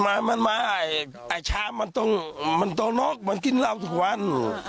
ไม่มันมันมันอัชชามันต้องมันโตนอกมันกินเหล้าทุกวัน